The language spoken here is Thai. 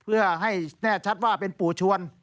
ได้แน่ชัดว่าเป็นปู่ชวน